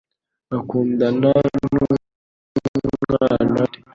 akundana numwana wo mubakire